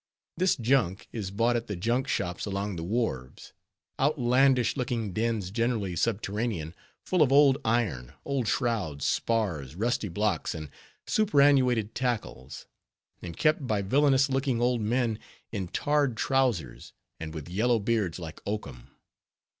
This "junk" is bought at the junk shops along the wharves; outlandish looking dens, generally subterranean, full of old iron, old shrouds, spars, rusty blocks, and superannuated tackles; and kept by villainous looking old men, in tarred trowsers, and with yellow beards like oakum.